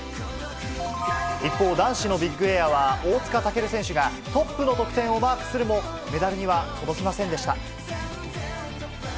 一方、男子のビッグエアは、大塚健選手が、トップの得点をマークするも、メダルには届きませんでした。